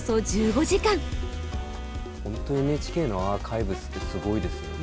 本当ＮＨＫのアーカイブスってすごいですよね。